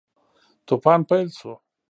توپان پیل شو.